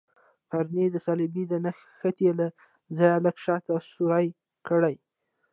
قرنیه د صلبیې د نښتې له ځای لږ شاته سورۍ کړئ.